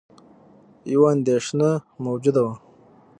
یوه اندېښنه موجوده وه